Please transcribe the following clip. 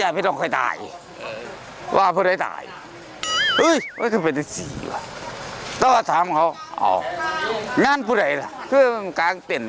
อาหารแบบเพื่อสุขภาพเสริมคุ้มกันอย่างเช่นขิง